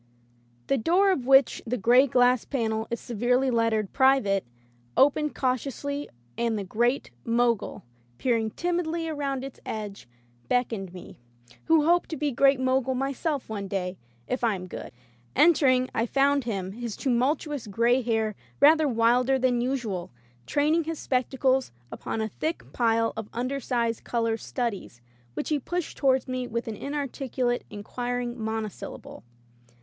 The door of which the gray glass panel is severely lettered " Private'* opened cau tiously and the Great Mogul, peering timidly around its edge, beckoned me — ^who hope to be Great Mogul myself some day, if I am good. Entering, I found him, his tumultuous gray hair rather wilder than usual, training his spectacles upon a thick pile of undersized color studies, which he pushed toward me with an inarticulate inquiring monosyllable.